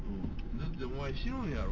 だってお前、死ぬんやろ？